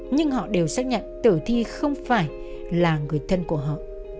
nhưng họ đều xác nhận tử thi không phải là người thân của họ